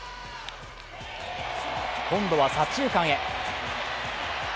今度は左中間へ。